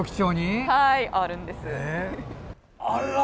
はい、あるんです。